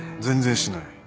全然しない。